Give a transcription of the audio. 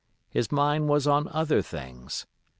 His mind was on other things.